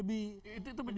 itu juga benar